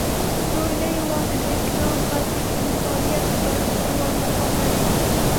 دوي نه یوازې د اسلام بلکې د انسانیت په تاریخ کې لوړ مقام لري.